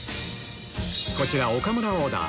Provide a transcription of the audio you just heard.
こちら岡村オーダー